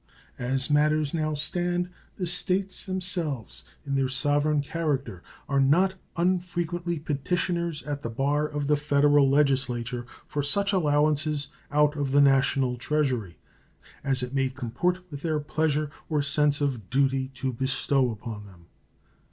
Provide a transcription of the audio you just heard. As matters now stand the States themselves, in their sovereign character, are not unfrequently petitioners at the bar of the Federal Legislature for such allowances out of the National Treasury as it may comport with their pleasure or sense of duty to bestow upon them.